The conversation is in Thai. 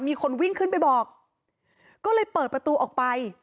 มีคนวิ่งขึ้นไปบอกก็เลยเปิดประตูออกไป